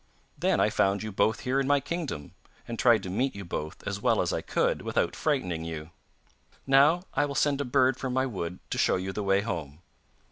Then I found you both here in my kingdom, and tried to meet you both as well as I could without frightening you. Now I will send a bird from my wood to show you the way home.